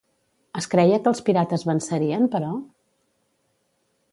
Es creia que els pirates vencerien, però?